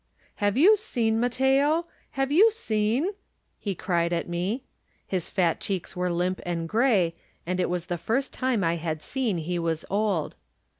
"Have you seen, Matteo? Have you seen?" he cried at me. His fat cheeks were limp and gray, and it was the first time I had seen he was old.